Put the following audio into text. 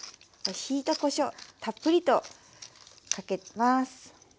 ひいたこしょうたっぷりとかけます。